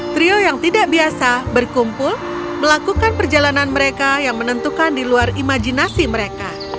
trio yang tidak biasa berkumpul melakukan perjalanan mereka yang menentukan di luar imajinasi mereka